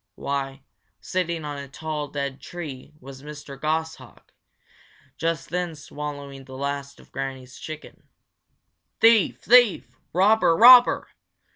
Why, sitting on a tall, dead tree was Mr. Goshawk, just then swallowing the last of Granny's chicken. "Thief! thief! robber! robber!"